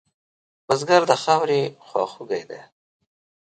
بزګر د خاورې خواخوږی دی